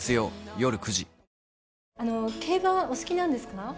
競馬はお好きなんですか？